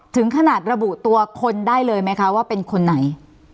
ถึงขนาดระบุตัวคนได้เลยไหมคะว่าเป็นคนไหน